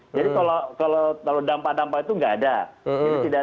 kalau dampak dampak itu nggak ada